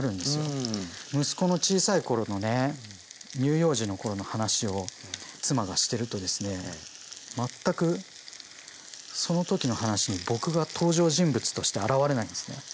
息子の小さいころのね乳幼児のころの話を妻がしてるとですね全くその時の話に僕が登場人物として現れないんですね。